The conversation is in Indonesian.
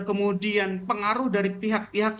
kemudian pengaruh dari pihak pihak